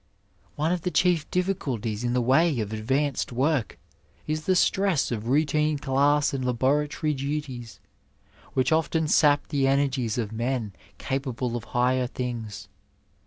One of the chief difficulties in the way of advanced work is the stress of routine class and laboratory duties, which often sap the energies of men capable of higher things.